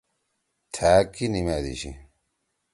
تھأ کی نِمادی شی؟